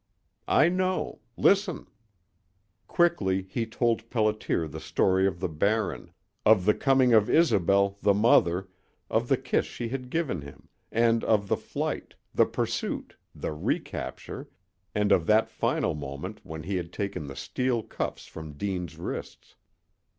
I know. Listen." Quickly he told Pelliter the story of the Barren, of the coming of Isobel, the mother, of the kiss she had given him, and of the flight, the pursuit, the recapture, and of that final moment when he had taken the steel cuffs from Deane's wrists.